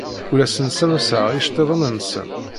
Ur asen-ssamaseɣ iceḍḍiḍen-nsen.